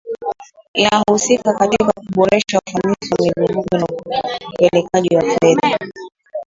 inahusika katika kuboresha ufanisi wa mzunguko na upelekaji wa fedha